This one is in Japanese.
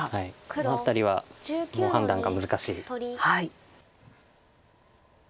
この辺りは判断が難しい。